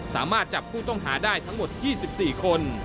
สามารถจับผู้ต้องหาได้ทั้งหมด๒๔คน